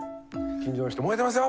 近所の人「燃えてますよ！」。